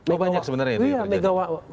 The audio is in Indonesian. oh banyak sebenarnya itu yang terjadi